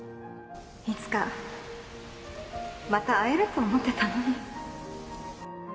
いつかまた会えると思ってたのに。